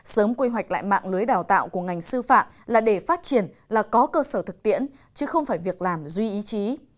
sớm quy hoạch lại mạng lưới đào tạo của ngành sư phạm là để phát triển là có cơ sở thực tiễn chứ không phải việc làm duy ý chí